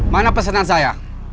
mana pesennya saya